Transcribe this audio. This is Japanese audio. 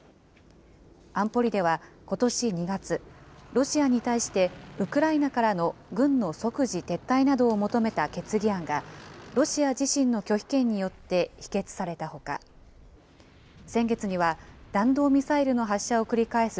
安保理ではことし２月、ロシアに対してウクライナからの軍の即時撤退などを求めた決議案が、ロシア自身の拒否権によって否決されたほか、先月には、弾道ミサイルの発射を繰り返す